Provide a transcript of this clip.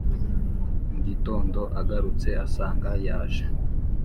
mu gitondo agarutse, asanga yaje